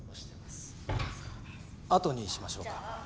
あとにしましょうか？